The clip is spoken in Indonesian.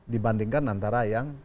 dibandingkan antara yang